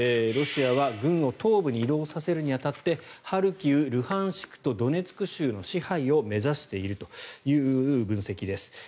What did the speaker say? ロシアは軍を東部に移動させるに当たってハルキウ、ルハンシクとドネツク州の支配を目指しているという分析です。